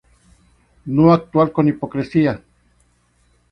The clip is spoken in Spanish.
No actuar con hipocresía.